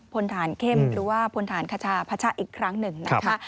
พลฐานเข้มหรือว่าพลฐานพระชาติอีกครั้งหนึ่ง